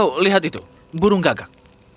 atau lihat itu burung gagak